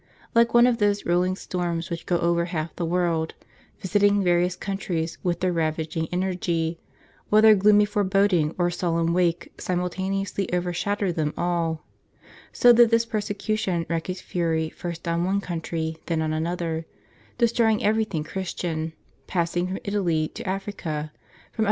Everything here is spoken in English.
Like one of those rolling storms which go over half the world, visiting various countries with their ravaging energy, while their gloomy foreboding or sullen wake simultaneously overshadow them all, so did this persecution wreak its fury first on one country, then on another, destroying every thing Christian, passing from Italy to Africa, from Upper Asia to laoClXEBIAS.